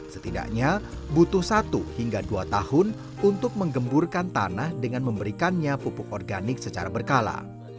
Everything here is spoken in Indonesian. setidaknya butuh satu hingga dua tahun untuk menggemburkan tanah dengan memberikannya pupuk organik secara berkala